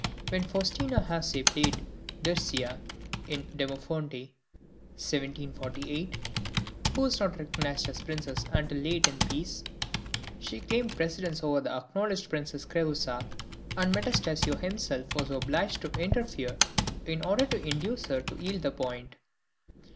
When Faustina Hasse played Dircea, in "Demofoonte" (1748), who is not recognised as a princess until late in the piece, she claimed precedence over the acknowledged Princess Creusa, and Metastasio himself was obliged to interfere in order to induce her to yield the point.